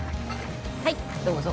はいどうぞ。